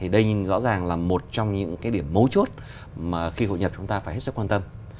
đây rõ ràng là một trong những điểm mấu chốt mà khi hội nhập chúng ta phải hết sức quan tâm